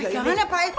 pegang aja pak eh